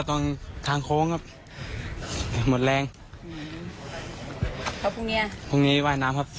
ว่ายน้ำอยู่ข้างบนนิดนึงครับ